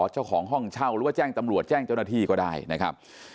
เจ้าของห้องเช่าหรือว่าแจ้งตำรวจแจ้งเจ้าหน้าที่ก็ได้นะครับ